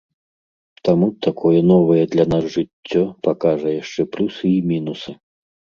Таму такое новае для нас жыццё пакажа яшчэ плюсы і мінусы.